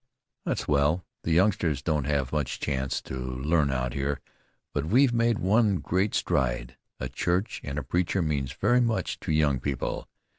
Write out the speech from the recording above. "That's well. The youngsters don't have much chance to learn out here. But we've made one great stride. A church and a preacher means very much to young people.